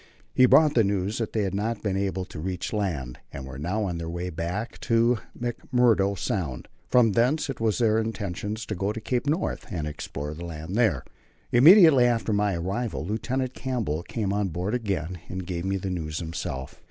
He brought the news that they had not been able to reach land, and were now on their way back to McMurdo Sound. From thence it was their intention to go to Cape North and explore the land there. Immediately after my arrival Lieutenant Campbell came on board again and gave me the news himself.